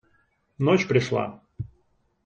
Ночь пришла.